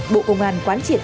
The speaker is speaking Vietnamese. bộ công an quán triển